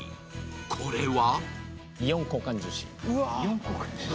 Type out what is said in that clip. これは？